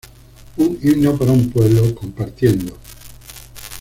Un himno para un pueblo", "Compartiendo.